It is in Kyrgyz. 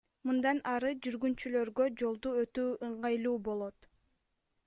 Мындан ары жүргүнчүлөргө жолду өтүү ыңгайлуу болот.